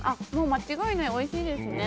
間違いない、おいしいですね。